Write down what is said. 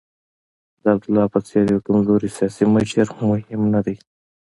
د عبدالله په څېر یو کمزوری سیاسي مشر مهم نه دی.